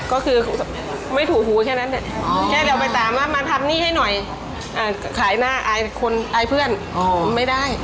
ก็คือไม่ถูหูแค่นั้นแหละแค่เดี๋ยวไปตามมาทำหนี้ให้หน่อยขายหน้าอายเพื่อนไม่ได้